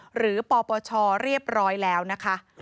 ปปชเรียบร้อยแล้วนะคะ